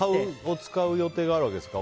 使う予定があるわけですか？